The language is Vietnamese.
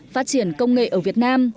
phát triển công nghệ ở việt nam